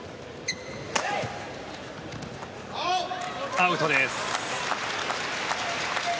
アウトです。